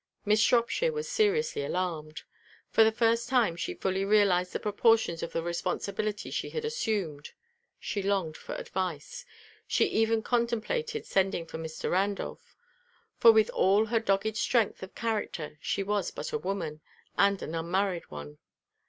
Miss Shropshire was seriously alarmed; for the first time she fully realised the proportions of the responsibility she had assumed. She longed for advice. She even contemplated sending for Mr. Randolph; for with all her dogged strength of character she was but a woman, and an unmarried one.